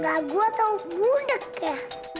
gaguh atau gudeg ya